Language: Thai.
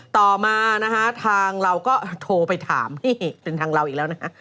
ต่อมาทางเราก็โทรไปถามเป็นทางเราอีกแล้ว